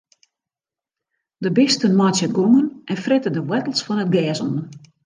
De bisten meitsje gongen en frette de woartels fan it gjers oan.